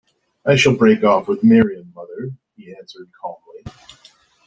“I shall break off with Miriam, mother,” he answered calmly.